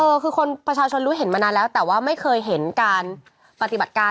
เออคือคนประชาชนรู้เห็นมานานแล้วแต่ว่าไม่เคยเห็นการปฏิบัติการ